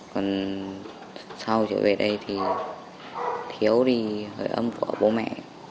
còn sau trở về đây thì thiếu đi hơi âm của bố mẹ